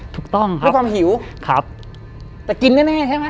ถูกต้องค่ะด้วยความหิวครับแต่กินแน่แน่ใช่ไหม